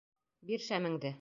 — Бир шәмеңде.